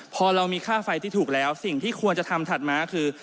พอเรามีค่าไฟที่ถูกแล้วสิ่งที่ควรจะทำถัดมาคือ